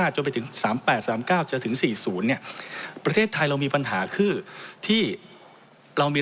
จนไปถึง๓๘๓๙จนถึง๔๐เนี่ยประเทศไทยเรามีปัญหาคือที่เรามี